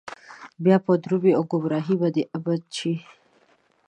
بيا به درومي او ګمراه به د ابد شي